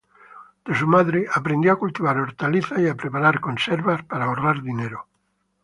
De su madre aprendió a cultivar hortalizas y a preparar conservas para ahorrar dinero.